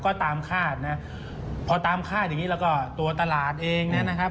ก็ตามคาดนะพอตามคาดอย่างงี้แล้วก็ตัวตลาดเองนะครับ